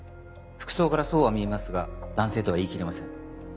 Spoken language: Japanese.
服装からそうは見えますが男性とは言い切れません。